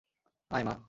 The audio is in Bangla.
আয়, মা।